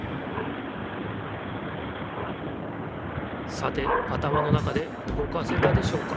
さて頭の中でうごかせたでしょうか？